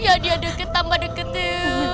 ya dia deket tambah deket deh